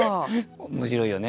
面白いよね